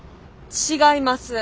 違います！